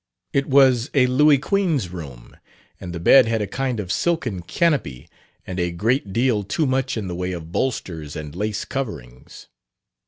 It was a Louis Quinze room, and the bed had a kind of silken canopy and a great deal too much in the way of bolsters and lace coverings.